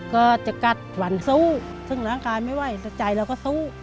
ก็จะกัดหวั่นสู้ซึ่งร่างกายไม่ไหวแต่ใจเราก็สู้